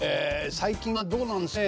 最近はどうなんですかね？